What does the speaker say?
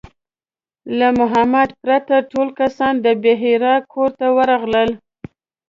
له محمد پرته ټول کسان د بحیرا کور ته ورغلل.